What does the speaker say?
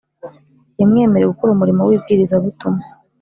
yamwemereye gukora umurimo w’ibwirizabutumwa